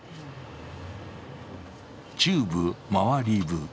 中部マアリブ。